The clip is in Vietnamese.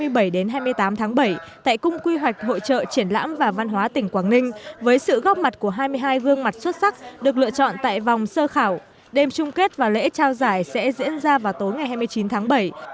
vòng bán kết diễn ra trong các ngày hai mươi tám tháng bảy tại cung quy hoạch hội trợ triển lãm và văn hóa tỉnh quảng ninh với sự góp mặt của hai mươi hai gương mặt xuất sắc được lựa chọn tại vòng sơ khảo đêm chung kết và lễ trao giải sẽ diễn ra vào tối ngày hai mươi chín tháng bảy